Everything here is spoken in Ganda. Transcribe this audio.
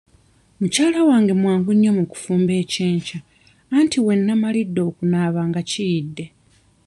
Mukyala wange mwangu mu kufumba ekyenkya anti we nnamalidde okunaaba nga kiyidde.